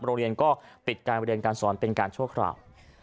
โรงเรียนก็ปิดการเรียนการสอนเป็นการชั่วคราว